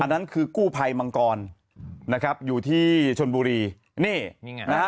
นั่นคือกู้ภัยมังกรนะครับอยู่ที่ชนบุรีนี่นี่ไงนะฮะ